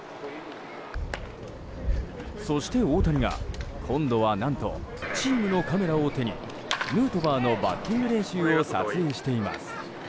そして大谷が今度は何とチームのカメラを手にヌートバーのバッティング練習を撮影しています。